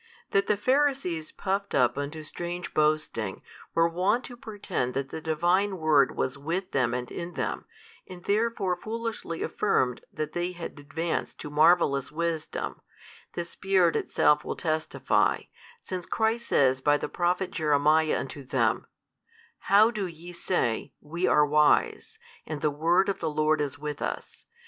That the Pharisees puffed up unto strange boasting, were wont to pretend that the Divine Word was with them and in them, and therefore foolishly affirmed that they had advanced to marvellous wisdom, the Spirit Itself will testify, since Christ says by the Prophet Jeremiah unto them, How do ye say, WE are wise, and the word of the Lord is with us?